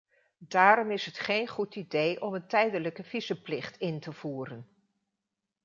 Daarom is het geen goed idee om een tijdelijke visumplicht in te voeren.